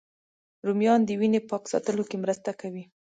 رومیان د وینې پاک ساتلو کې مرسته کوي